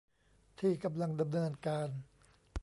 ที่กำลังดำเนินการ